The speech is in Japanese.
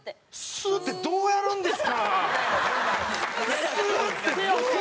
スーってどうやるんですか！？